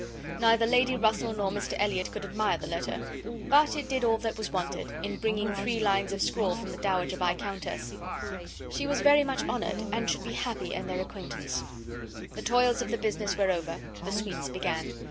Neither Lady Russell nor Mr Elliot could admire the letter; but it did all that was wanted, in bringing three lines of scrawl from the Dowager Viscountess. "She was very much honoured, and should be happy in their acquaintance." The toils of the business were over, the sweets began.